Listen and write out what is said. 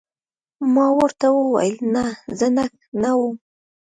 ما ورته وویل: نه، زه نه وم.